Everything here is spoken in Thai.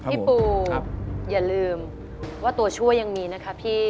พี่ปูอย่าลืมว่าตัวช่วยยังมีนะคะพี่